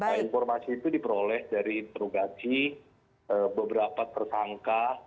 bahwa informasi itu diperoleh dari interogasi beberapa tersangka